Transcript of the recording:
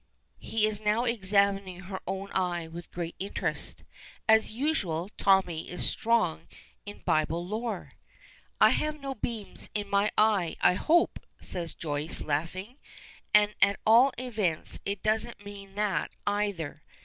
'" He is now examining her own eye with great interest. As usual, Tommy is strong in Bible lore. "I have no beam in my eye, I hope," says Joyce, laughing; "and, at all events, it doesn't mean that either.